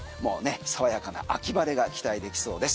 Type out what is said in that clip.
爽やかな秋晴れが期待できそうです。